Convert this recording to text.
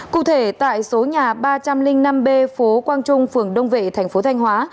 cụ thể tại số nhà ba trăm linh năm b phố quang trung phường đông vệ thành phố thanh hóa